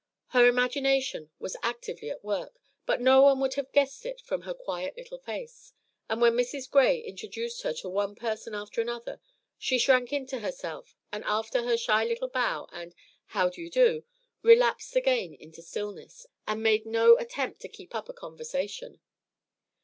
Her imagination was actively at work, but no one would have guessed it from her quiet little face; and when Mrs. Gray introduced her to one person and another, she shrank into herself, and after her shy little bow and "How do you do?" relapsed again into stillness, and made no attempt to keep up a conversation.